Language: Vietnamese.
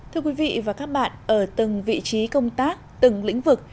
thưa quý vị và các bạn ở từng vị trí công tác từng lĩnh vực